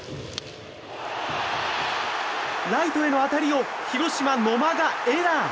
ライトへの当たりを広島、野間がエラー。